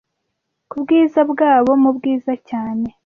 kubwiza bwabo mubwiza cyane